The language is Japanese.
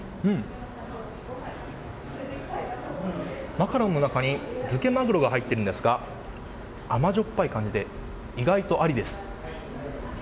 マカロンの中に漬けマグロが入っているんですが甘じょっぱい感じで意外とありです。